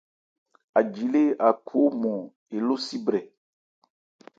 Aji lê Akho ɔ́nmɔn eló si brɛ.